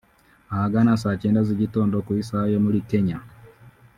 Ahagana saa cyenda z’igitondo ku isaha yo muri Kenya